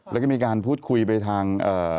แล้วก็มีการพูดคุยไปทาง